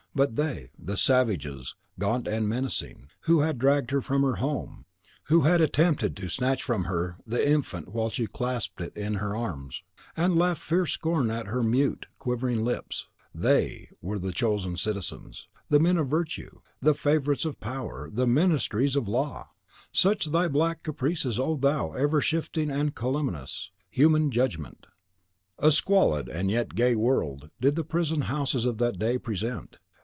But they, the savages, gaunt and menacing, who had dragged her from her home, who had attempted to snatch from her the infant while she clasped it in her arms, and laughed fierce scorn at her mute, quivering lips, THEY were the chosen citizens, the men of virtue, the favourites of Power, the ministers of Law! Such thy black caprices, O thou, the ever shifting and calumnious, Human Judgment! A squalid, and yet a gay world, did the prison houses of that day present.